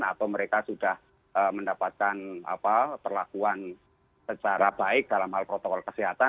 atau mereka sudah mendapatkan perlakuan secara baik dalam hal protokol kesehatan